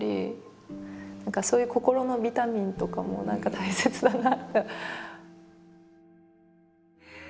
そういう心のビタミンとかも何か大切だな。